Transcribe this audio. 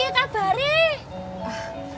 wah pia kabarnya